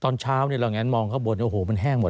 เราเหมือนมองเข้าบนมันแห้งหมด